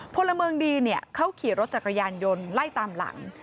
พลเมืองดีเขาขี่รถจักรยานยนต์ไล่ตามหลัง